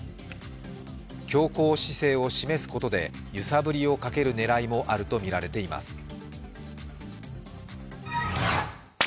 強硬姿勢を示すことで、揺さぶりをかける狙いもあるとみられています。